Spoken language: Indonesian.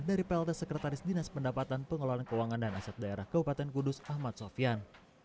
dari plt sekretaris dinas pendapatan pengelolaan keuangan dan aset daerah kabupaten kudus ahmad sofian